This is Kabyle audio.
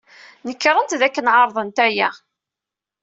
Nekṛent dakken ɛerḍent aya.